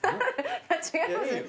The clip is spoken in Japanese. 違いますよ。